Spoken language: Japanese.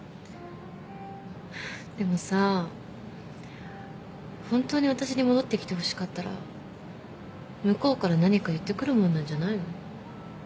はぁでもさ本当に私に戻ってきてほしかったら向こうから何か言ってくるもんなんじゃないの？